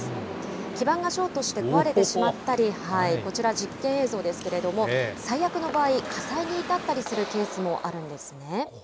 基盤がショートして壊れてしまったり、こちら実験映像ですけれども、最悪の場合、火災に至ったりするケースもあるんですね。